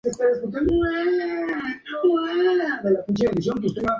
Hablaba varios idiomas, incluyendo el latín.